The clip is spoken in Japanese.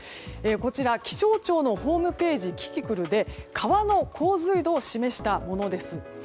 こちら、気象庁のホームページキキクルで川の洪水度を示したものです。